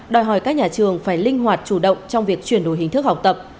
đòi hỏi các nhà trường phải linh hoạt chủ động trong việc chuyển đổi hình thức học tập